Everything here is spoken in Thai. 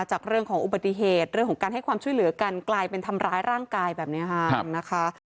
จากเรื่องของอุบัติเหตุเรื่องของการให้ความช่วยเหลือกันกลายเป็นทำร้ายร่างกายแบบนี้ค่ะนะคะ